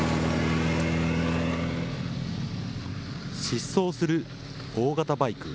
疾走する大型バイク。